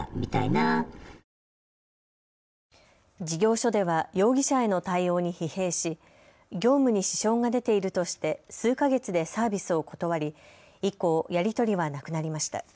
事業所では容疑者への対応に疲弊し業務に支障が出ているとして数か月でサービスを断り以降、やり取りはなくなりました。